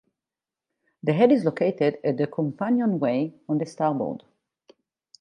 The head is located at the companionway on the starboard.